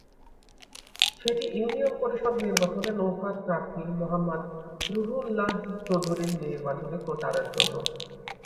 সেটি ইউনিয়ন পরিষদ নির্বাচনে নৌকার প্রার্থী মো. রুহুল্লাহ চৌধুরীর নির্বাচনী প্রচারের জন্য।